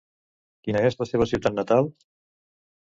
Quina és la seva ciutat natal?